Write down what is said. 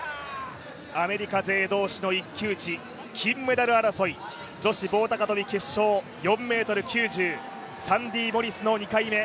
アメリカ勢同士の一騎打ち金メダル争い女子棒高跳決勝４ｍ９０サンディ・モリスの２回目。